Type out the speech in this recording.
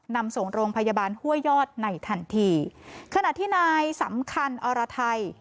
นำส่งโรงพยาบาลห้วยยอดในทันทีขณะที่นายสำคัญอรไทย